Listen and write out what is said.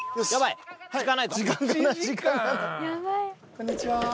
こんにちは。